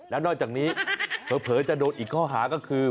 แล้วนอกจากนี้เผลอจะโดนอีกข้อหาก็คือ